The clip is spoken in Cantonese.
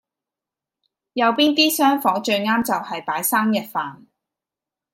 右邊啲廂房最啱就喺擺生日飯